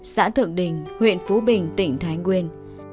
xã thượng đình huyện phú bình tỉnh thái nguyên